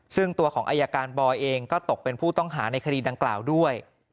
ซึ่งตัวของอายการบอยเองก็ตกเป็นผู้ต้องหาในคดีดังกล่าวด้วย